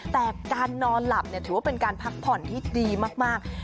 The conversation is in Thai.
แต่การนอนหลับถือว่าเป็นการพักผ่อนที่ดีมาก